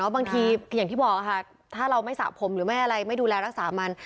บางทีอย่างที่บอกค่ะถ้าเราไม่สระผมไม่ดูแลรักษามัน